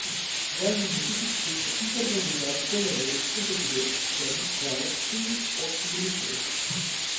gases de efeito estufa, internalizar, predadores, competidores, sebes, valas, fungos, óxido nitroso